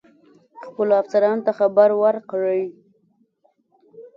خپلو افسرانو ته خبر ورکړی.